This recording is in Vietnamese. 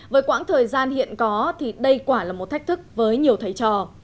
với quãng thời gian hiện có thì đây quả là một thách thức với nhiều thầy trò